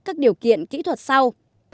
các điều kiện kỹ thuật sau